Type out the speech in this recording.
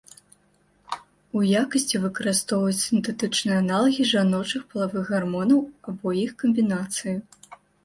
У якасці выкарыстоўваюць сінтэтычныя аналагі жаночых палавых гармонаў або іх камбінацыі.